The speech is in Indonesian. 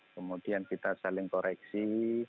kemudian kita saling koreksi